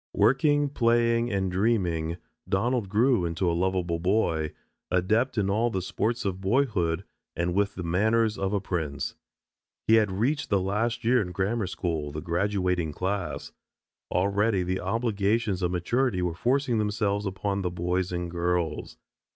Working, playing, and dreaming, Donald grew into a lovable boy, adept in all of the sports of boyhood and with the manners of a prince. He had reached the last year in grammar school, the graduating class. Already the obligations of maturity were forcing themselves upon the boys and girls.